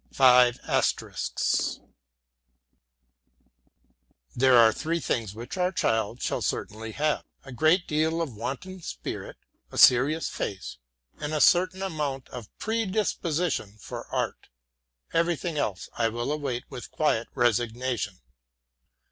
There are three things which our child shall certainly have a great deal of wanton spirit, a serious face, and a certain amount of predisposition for art. Everything else I await with quiet resignation.